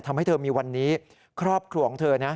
ทำให้เธอมีวันนี้ครอบครัวของเธอนะ